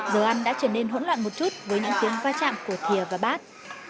đồ ăn đã trở nên hỗn loạn một chút với những tiếng pha chạm của thịa và bát